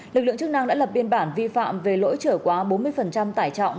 lực lượng chức năng đã lập biên bản vi phạm về lỗi trở quá bốn mươi tải trọng